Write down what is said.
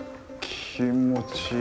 気持ちいい。